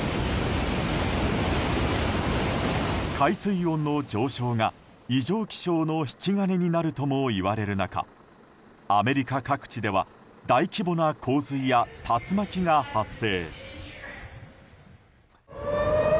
海水温の上昇が異常気象の引き金になるともいわれる中アメリカ各地では大規模な洪水や竜巻が発生。